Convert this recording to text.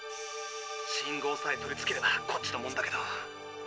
信号さえ取り付ければこっちのもんだけど。